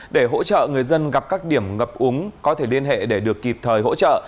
để hỗ trợ người dân gặp các điểm ngập úng có thể liên hệ để được kịp thời hỗ trợ